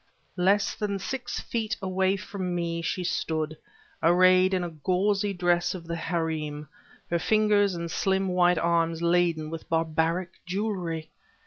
Less than six feet away from me she stood, arrayed in the gauzy dress of the harem, her fingers and slim white arms laden with barbaric jewelry!